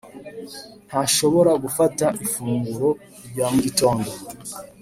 ntashobora gufata ifunguro rya mu gitondo.